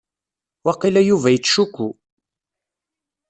Waqila Yuba Ittcukku.